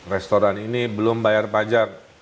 restoran ini belum bayar pajak